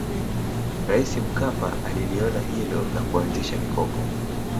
rais mkpa aliliona hilo na kuanzisha mikopo